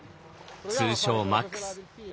通称マックス。